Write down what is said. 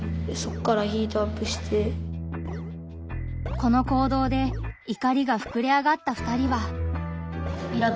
この行動で怒りがふくれ上がった２人は。